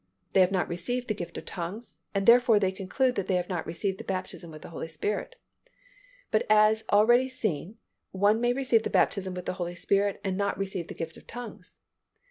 They have not received the gift of tongues and therefore they conclude that they have not received the baptism with the Holy Spirit. But as already seen, one may receive the baptism with the Holy Spirit and not receive the gift of tongues.